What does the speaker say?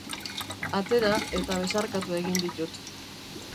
Atera eta besarkatu egin ditut.